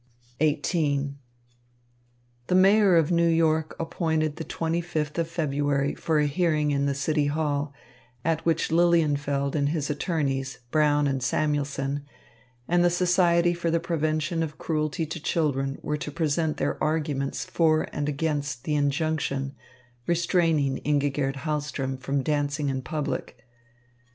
XVIII The Mayor of New York appointed the twenty fifth of February for a hearing in the City Hall, at which Lilienfeld and his attorneys, Brown and Samuelson, and the Society for the Prevention of Cruelty to Children were to present their arguments for and against the injunction restraining Ingigerd Hahlström from dancing in public.